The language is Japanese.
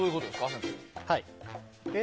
先生。